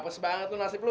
apa sih banget tuh nasib lu